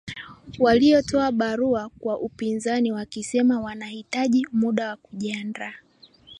Walitoa barua kwa upinzani wakisema wanahitaji muda kujiandaa